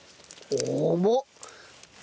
重っ！